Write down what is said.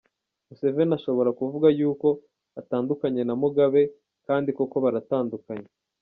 Museveni ashobora kuvuga yuko atandukanye na Mugabe, kandi koko baratandukanye.